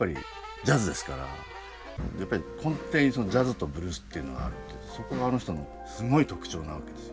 やっぱり根底にジャズとブルースっていうのがあってそこがあの人のすごい特徴なわけです。